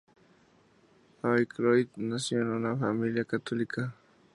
Aykroyd nació en una familia católica.